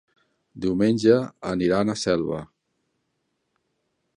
Diumenge aniran a Selva.